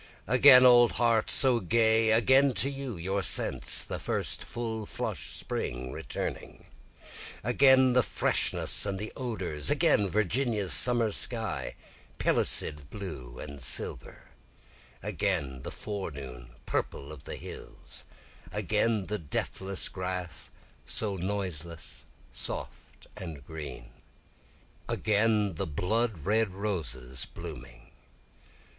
Again old heart so gay, again to you, your sense, the full flush spring returning, Again the freshness and the odors, again Virginia's summer sky, pellucid blue and silver, Again the forenoon purple of the hills, Again the deathless grass, so noiseless soft and green, Again the blood red roses blooming.